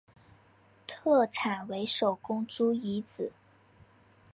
特产为手工猪胰子。